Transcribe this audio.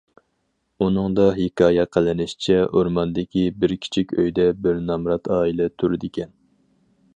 ئۇنىڭدا ھېكايە قىلىنىشىچە، ئورماندىكى بىر كىچىك ئۆيدە بىر نامرات ئائىلە تۇرىدىكەن.